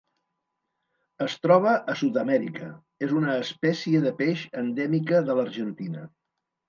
Es troba a Sud-amèrica: és una espècie de peix endèmica de l'Argentina.